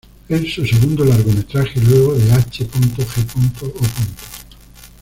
Es su segundo largometraje luego de H. G. O..